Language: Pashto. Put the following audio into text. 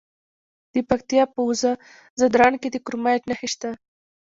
د پکتیا په وزه ځدراڼ کې د کرومایټ نښې شته.